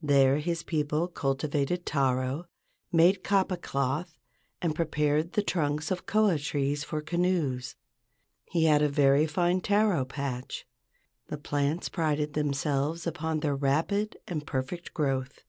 There his people cultivated taro, made kapa cloth, and prepared the trunks of koa trees for canoes. He had a very fine taro patch. The plants prided themselves upon their rapid and perfect growth.